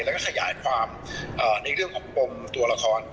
แล้วก็ขยายความในเรื่องของปมตัวละคร